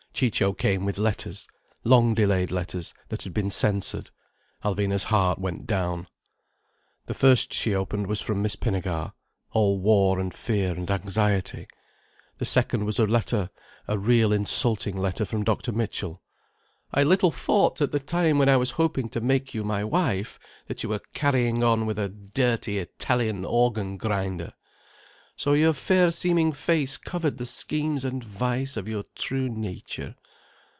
Ciccio came with letters—long delayed letters, that had been censored. Alvina's heart went down. The first she opened was from Miss Pinnegar—all war and fear and anxiety. The second was a letter, a real insulting letter from Dr. Mitchell. "I little thought, at the time when I was hoping to make you my wife, that you were carrying on with a dirty Italian organ grinder. So your fair seeming face covered the schemes and vice of your true nature.